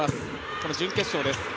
この準決勝です。